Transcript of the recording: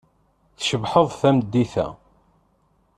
Tcebḥeḍ tameddit-a.